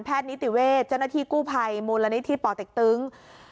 แพทย์นิติเวทย์เจ้าหน้าที่กู้ภัยมูลนิติธรรมปติ๊กตึ๊ง